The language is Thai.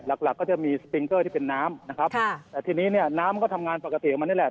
หลักหลักก็จะมีสติงเกอร์ที่เป็นน้ำนะครับค่ะแต่ทีนี้เนี่ยน้ำก็ทำงานปกติของมันนี่แหละ